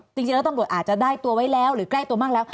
จริงแล้วตำรวจอาจจะได้ตัวไว้แล้วหรือใกล้ตัวมากแล้ว